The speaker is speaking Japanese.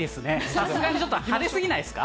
さすがにちょっと派手すぎないですか？